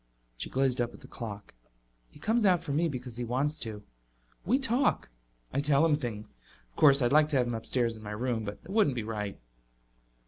She gazed up at the clock. "He comes out for me because he wants to. We talk; I tell him things. Of course, I'd like to have him upstairs in my room, but it wouldn't be right."